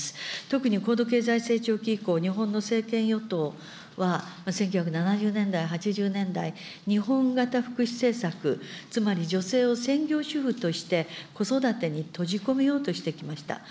特に高度経済成長期以降、日本の政権与党は、１９７０年代、８０年代、日本型福祉政策、つまり女性を専業主婦として子育てに閉じ込めようとしてきました。